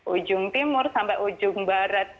ujung timur sampai ujung barat